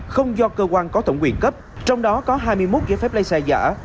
không do cơ quan có tổng quyền cấp trong đó có hai mươi một giấy phép lái xe giả